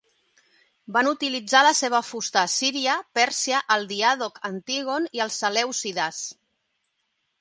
Van utilitzar la seva fusta Assíria, Pèrsia, el diàdoc Antígon i els selèucides.